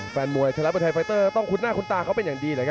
แฟนมวยไทยรัฐบนไทยไฟเตอร์ต้องคุ้นหน้าคุ้นตาเขาเป็นอย่างดีเลยครับ